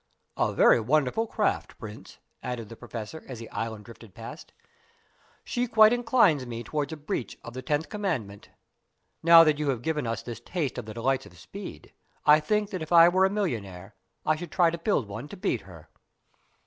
"A very wonderful craft, Prince," added the Professor, as the island drifted past; "she quite inclines me towards a breach of the tenth commandment. Now that you have given us this taste of the delights of speed, I think that if I were a millionaire, I should try to build one to beat her."